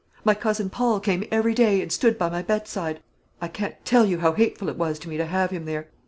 My cousin Paul came every day, and stood by my bedside. I can't tell you how hateful it was to me to have him there.